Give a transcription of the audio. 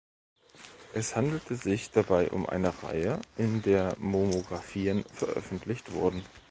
Es handelte sich dabei um eine Reihe, in der Monographien veröffentlicht wurden.